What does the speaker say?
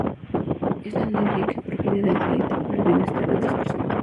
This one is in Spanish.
Es la alegría que proviene del deleite por el bienestar de otras personas.